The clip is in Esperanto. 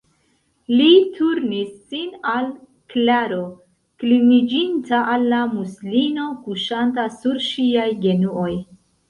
Li turnis sin al Klaro, kliniĝinta al la muslino kuŝanta sur ŝiaj genuoj.